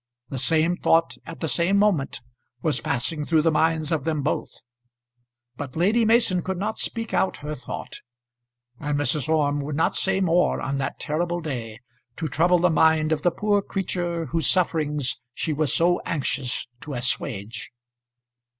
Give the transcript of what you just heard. The same thought at the same moment was passing through the minds of them both; but Lady Mason could not speak out her thought, and Mrs. Orme would not say more on that terrible day to trouble the mind of the poor creature whose sufferings she was so anxious to assuage.